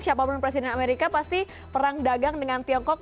siapapun presiden amerika pasti perang dagang dengan tiongkok